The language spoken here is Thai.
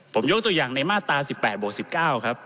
ผมยกตัวอย่างในมาตรา๑๘บวก๑๙ครับ